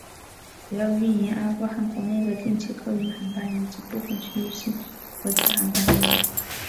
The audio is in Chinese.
主要运营阿富汗国内的定期客运航班以及部分区域性国际航班业务。